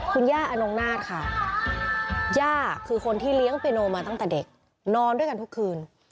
คุณย่าอนงนาฏค่ะย่าคือคนที่เลี้ยงเปียโนมาตั้งแต่เด็กนอนด้วยกันทุกคืน